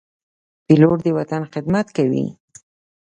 پیلوټ د وطن خدمت کوي.